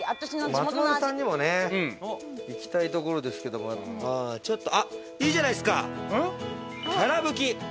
松丸さんにもね、行きたいところですけれど、うん、ちょっといいじゃないですか、きゃらぶき。